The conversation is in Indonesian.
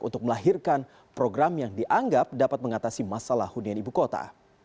untuk melahirkan program yang dianggap dapat mengatasi masalah hunian ibu kota